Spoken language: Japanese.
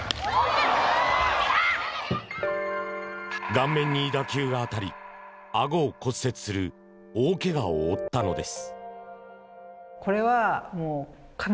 顔面に打球が当たりあごを骨折する大けがを負ったのです。